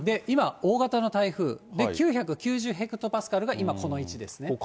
今、大型の台風、９９０ヘクトパスカルが今この位置ですね。